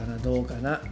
どうかな？